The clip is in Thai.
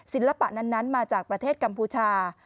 ศิลปะนั้นมาจากประเทศกัมพูชา